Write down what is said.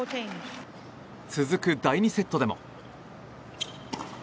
続く第２セットでも。